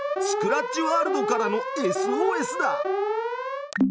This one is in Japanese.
スクラッチワールドからのＳＯＳだ！